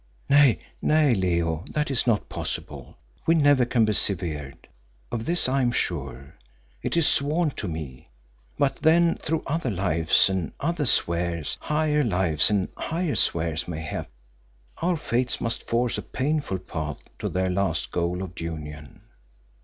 "Nay, nay, Leo, that is not possible. We never can be severed, of this I am sure; it is sworn to me. But then through other lives and other spheres, higher lives and higher spheres mayhap, our fates must force a painful path to their last goal of union."